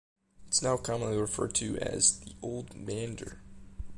It is now commonly referred to as the old mandir.